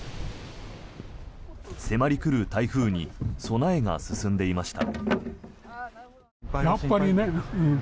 迫り来る台風に備えが進んでいました。